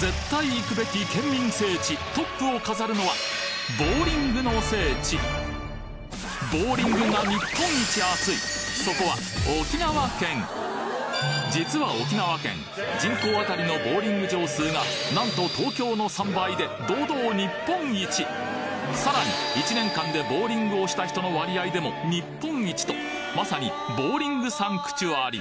絶対行くべきケンミン聖地トップを飾るのはボウリングが日本一熱いそこは実は沖縄県人口あたりのボウリング場数がなんと東京の３倍で堂々日本一さらに１年間でボウリングをした人の割合でも日本一とまさにボウリングサンクチュアリ